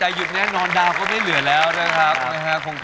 จะหยุดหรือเล่นต่อ